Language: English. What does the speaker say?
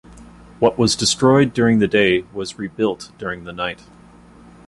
What was destroyed during the day was rebuilt during the night.